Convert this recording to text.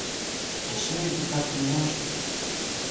И всё это так неважно.